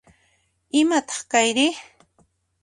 Imataq kayri?